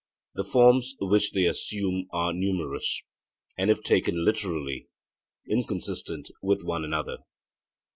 The forms which they assume are numerous, and if taken literally, inconsistent with one another.